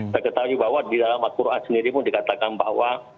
saya ketahui bahwa di dalam al quran sendiri pun dikatakan bahwa